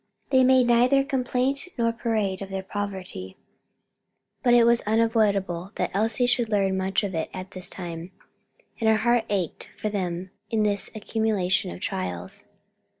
They made neither complaint nor parade of their poverty, but it was unavoidable that Elsie should learn much of it at this time, and her heart ached for them in this accumulation of trials.